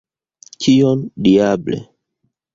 Kion, diable!